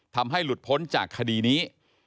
ทำให้หลุดพ้นจากคดีนี้